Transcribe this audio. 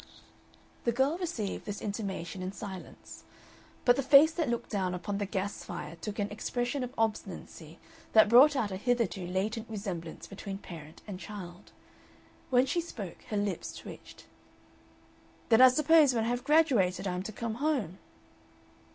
The girl received this intimation in silence, but the face that looked down upon the gas fire took an expression of obstinacy that brought out a hitherto latent resemblance between parent and child. When she spoke, her lips twitched. "Then I suppose when I have graduated I am to come home?"